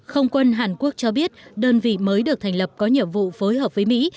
không quân hàn quốc cho biết đơn vị mới được thành lập có nhiệm vụ phối hợp với mỹ